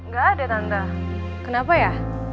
gak ada tanda kenapa ya